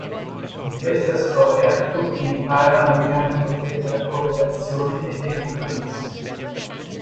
In questa storia tutti imparano il grande potere della cooperazione e dei compromessi.